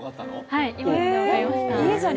はい、今ので分かりました。